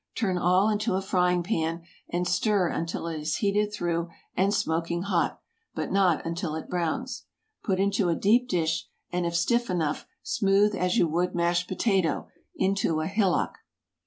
Turn all into a frying pan, and stir until it is heated through and smoking hot, but not until it browns. Put into a deep dish, and if stiff enough, smooth as you would mashed potato, into a hillock.